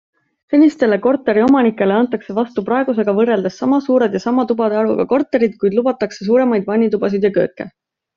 Senistele korteriomanikele antakse vastu praegusega võrreldes sama suured ja sama tubade arvuga korterid, kuid lubatakse suuremaid vannitubasid ja kööke.